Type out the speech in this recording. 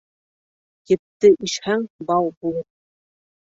Епте ишһәң бау булыр